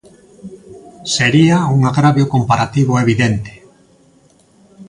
Sería un agravio comparativo evidente.